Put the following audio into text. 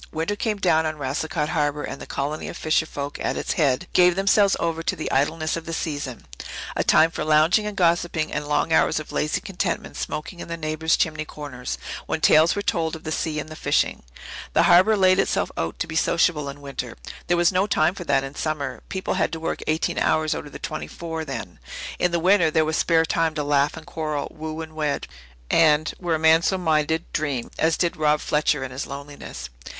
Winter came down on Racicot Harbour, and the colony of fisher folk at its head gave themselves over to the idleness of the season a time for lounging and gossipping and long hours of lazy contentment smoking in the neighbours' chimney corners, when tales were told of the sea and the fishing. The Harbour laid itself out to be sociable in winter. There was no time for that in summer. People had to work eighteen hours out of the twenty four then. In the winter there was spare time to laugh and quarrel, woo and wed and were a man so minded dream, as did Rob Fletcher in his loneliness.